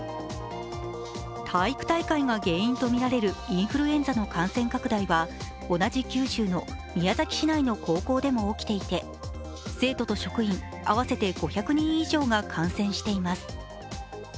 体育大会が原因とみられるインフルエンザの感染拡大は同じ九州の宮崎市内の高校でも起きていて生徒と職員合わせて５００人以上が感染しています。